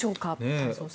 太蔵さん。